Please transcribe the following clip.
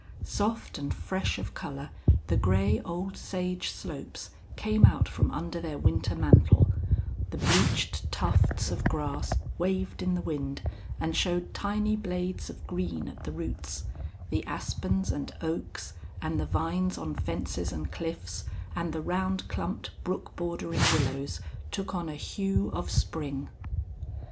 Soft and fresh of color the gray old sage slopes came out from under their winter mantle; the bleached tufts of grass waved in the wind and showed tiny blades of green at the roots; the aspens and oaks, and the vines on fences and cliffs, and the round clumped, brook bordering willows took on a hue of spring.